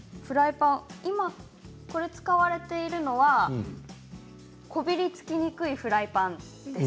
今、使われているのはこびりつきにくいフライパンです。